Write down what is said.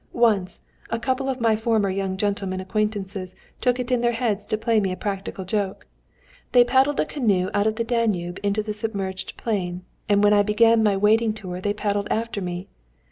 Once, a couple of my former young gentlemen acquaintances took it into their heads to play me a practical joke. They paddled a canoe out of the Danube into the submerged plain, and when I began my wading tour they paddled after me.